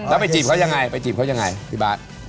แล้วไปจีบเขายังไงไปจีบเขายังไงพี่บาท